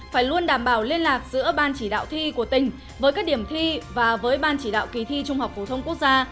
phải luôn đảm bảo liên lạc giữa ban chỉ đạo thi của tỉnh với các điểm thi và với ban chỉ đạo kỳ thi trung học phổ thông quốc gia